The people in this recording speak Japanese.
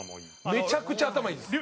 めちゃくちゃ頭いいんです。